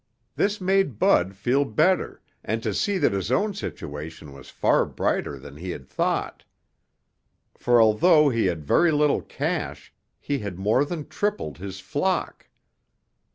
This made Bud feel better and to see that his own situation was far brighter than he had thought. For although he had very little cash, he had more than tripled his flock.